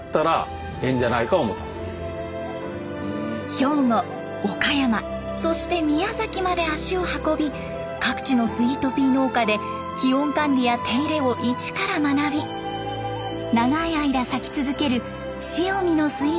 兵庫岡山そして宮崎まで足を運び各地のスイートピー農家で気温管理や手入れを一から学び長い間咲き続ける塩見のスイートピーが生まれたのです。